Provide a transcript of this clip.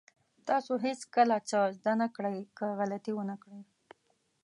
تاسو هېڅکله څه زده نه کړئ که غلطي ونه کړئ.